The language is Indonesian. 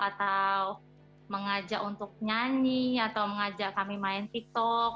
atau mengajak untuk nyanyi atau mengajak kami main tiktok